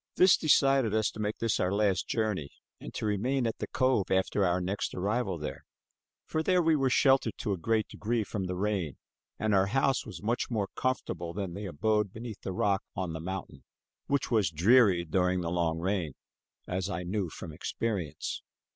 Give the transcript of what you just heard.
This decided us to make this our last journey, and to remain at the cove after our next arrival there; for there we were sheltered, to a great degree, from the rain and our house was much more comfortable than the abode beneath the rock on the mountain, which was dreary during the long rain, as I knew from experience.